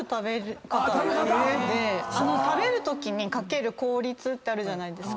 食べるときにかける効率ってあるじゃないですか。